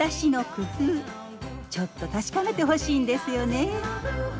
ちょっと確かめてほしいんですよね。